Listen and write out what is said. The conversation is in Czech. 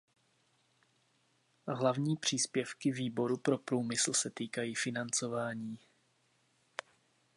Hlavní příspěvky Výboru pro průmysl se týkají financování.